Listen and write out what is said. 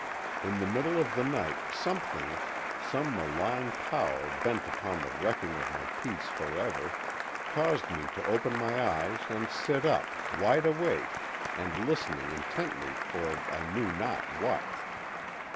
In the middle of the night something—some malign power bent upon the wrecking of my peace forever—caused me to open my eyes and sit up, wide awake and listening intently for I knew not what.